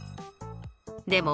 でも